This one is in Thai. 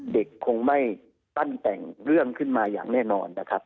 เด็กคงไม่ปั้นแต่งเรื่องขึ้นมาอย่างแน่นอนนะครับ